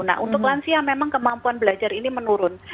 nah untuk lansia memang kemampuan belajar ini menurun